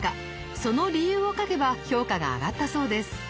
その理由を書けば評価が上がったそうです。